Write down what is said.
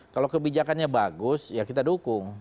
kalau kebijakannya bagus ya kita dukung